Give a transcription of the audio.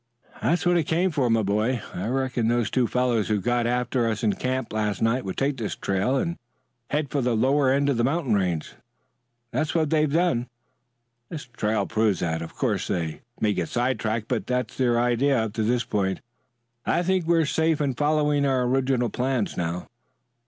"That's what I came for, my boy. I reckoned those two fellows who got after us in camp last night would take this trail and head for the lower end of the mountain range. That's what they've done. This trail proves that. Of course they may get sidetracked, but that's their idea up to this point. I think we are safe in following our original plans now."